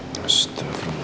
mas dari mana